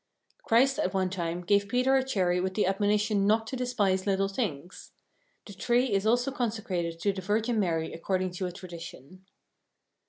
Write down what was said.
Christ at one time gave Peter a cherry with the admonition not to despise little things. The tree is also consecrated to the Virgin Mary according to a tradition.